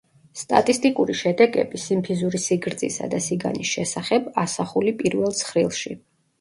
სტატისტიკური შედეგები სიმფიზური სიგრძისა და სიგანის შესახებ ასახული პირველ ცხრილში.